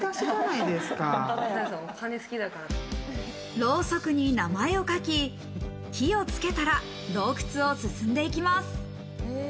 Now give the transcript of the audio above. ろうそくに名前を書き、火をつけたら洞窟を進んで行きます。